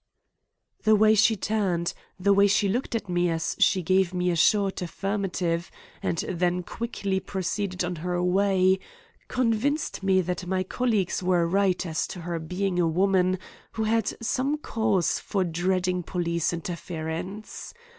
The way she turned, the way she looked at me as she gave me a short affirmative, and then quickly proceeded on her way, convinced me that my colleagues were right as to her being a woman who had some cause for dreading police interference.